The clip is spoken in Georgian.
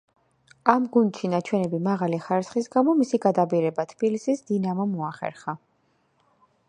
ამ გუნდში ნაჩვენები მაღალი ხარისხის გამო მისი გადაბირება თბილისის „დინამომ“ მოახერხა.